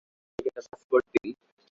Madam, আপনার ticket আর passport দিন।